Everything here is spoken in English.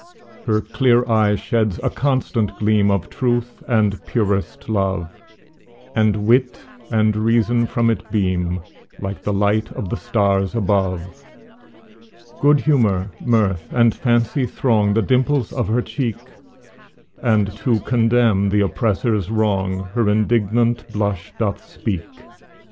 Her clear eye sheds a constant gleam Of truth and purest love, And wit and reason from it beam, Like the light of the stars above. Good humor, mirth, and fancy throng The dimples of her cheek, And to condemn the oppressor's wrong Her indignant blush doth speak.